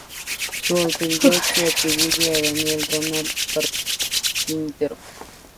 Su autoría se atribuye a Daniel Roldán Carpintero.